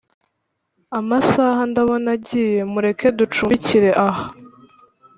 amasaha ndabona agiye, mureke ducumbikire aha